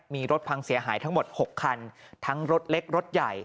มีรถพังเสียหายทั้งหมด๖คันทั้งรถเล็กรถใหญ่